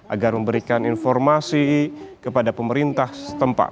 agar memberikan informasi kepada pemerintah setempat